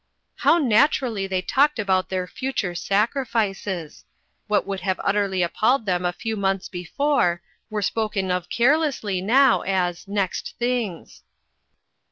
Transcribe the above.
How naturally they talked about their future sacrifices ! What would have utterly appalled them a few months before, were spoken of carelessly now as " next things.